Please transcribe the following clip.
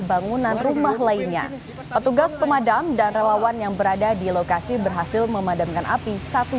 bangunan rumah lainnya petugas pemadam dan relawan yang berada di lokasi berhasil memadamkan api satu